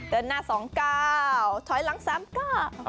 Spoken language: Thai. เดินหน้า๒ก้าวถอยหลัง๓ก้าว